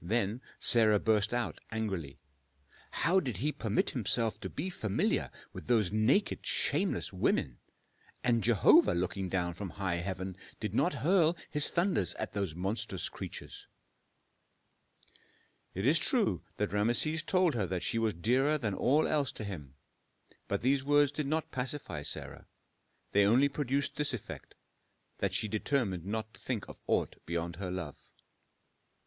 Then Sarah burst out angrily, "How did he permit himself to be familiar with those naked, shameless women? And Jehovah looking down from high heaven did not hurl His thunders at those monstrous creatures!" It is true that Rameses told her that she was dearer than all else to him, but these words did not pacify Sarah; they only produced this effect, that she determined not to think of aught beyond her love.